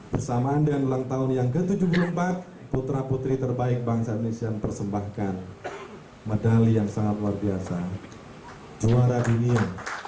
bersamaan dengan ulang tahun yang ke tujuh puluh empat putra putri terbaik bangsa indonesia mempersembahkan medali yang sangat luar biasa juara dunia